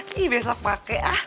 ini besok pake ah